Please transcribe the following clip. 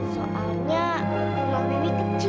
soalnya rumah wiwi kecil